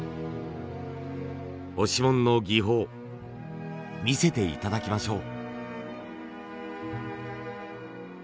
押紋の技法見せて頂きましょう。